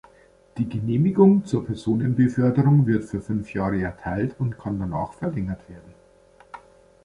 Die Genehmigung zur Personenbeförderung wird für fünf Jahre erteilt und kann danach verlängert werden.